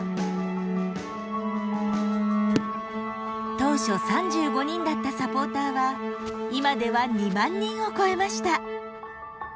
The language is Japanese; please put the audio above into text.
当初３５人だったサポーターは今では２万人を超えました。